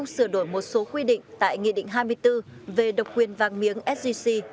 số quy định tại nghị định hai mươi bốn về độc quyền vàng miếng szc